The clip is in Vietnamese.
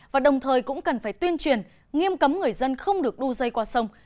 và đồng thời cũng cần phải tuyên truyền nghiêm cấm người dân không được đu dây qua sông